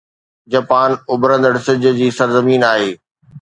Japan اڀرندڙ سج جي سرزمين آهي